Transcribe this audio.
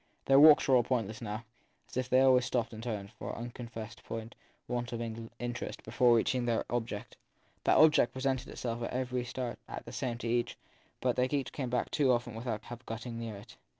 Their walks were all pointless now, as if they always stopped and turned, for an unconfessed want of interest, before reaching their object. That object presented itself at every start as the same to each, but they had come back too often without having got near it.